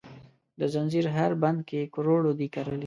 د ځنځیر هر بند کې کروړو دي کرلې،